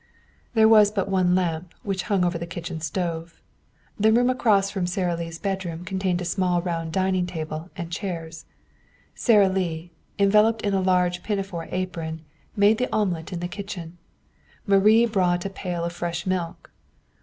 There was but one lamp, which hung over the kitchen stove. The room across from Sara Lee's bedroom contained a small round dining table and chairs. Sara Lee, enveloped in a large pinafore apron, made the omelet in the kitchen. Marie brought a pail of fresh milk.